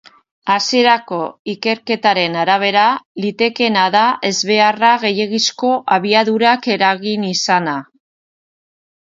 Hasierako ikerketaren arabera, litekeena da ezbeharra gehiegizko abiadurak eragin izana.